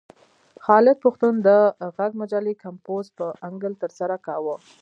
خالد پښتون د غږ مجلې کمپوز په انکل ترسره کاوه.